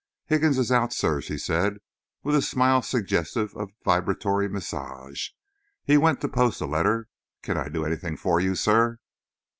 "Higgins is out, sir," she said, with a smile suggestive of vibratory massage. "He went to post a letter. Can I do anything for you, sir?"